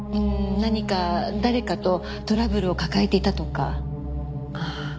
何か誰かとトラブルを抱えていたとか。